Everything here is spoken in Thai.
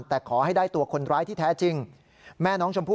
แต่ขอให้ได้ตัวคนร้ายที่แท้จริงแม่น้องชมพู่